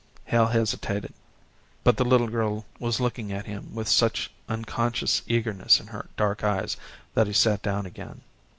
Hale hesitated, but the little girl was looking at him with such unconscious eagerness in her dark eyes that he sat down again.